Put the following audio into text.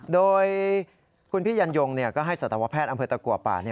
โดยคุณพี่ยันยงก็ให้สัตวแพทย์อำเภอตะกัวป่า